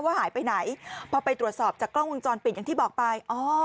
หายไปไหนพอไปตรวจสอบจากกล้องวงจรปิดอย่างที่บอกไป